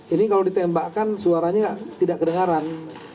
ini kalau ditembakkan suaranya tidak kedengaran